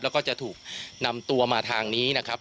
แล้วก็จะถูกนำตัวมาทางนี้นะครับ